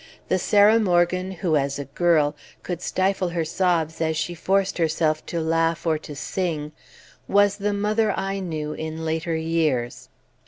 The Sarah Morgan who, as a girl, could stifle her sobs as she forced herself to laugh or to sing, was the mother I knew in later years.